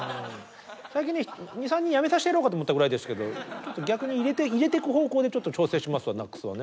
最近ね２３人辞めさせてやろうかと思ったぐらいですけど逆に入れてく方向でちょっと調整しますわＮＡＣＳはね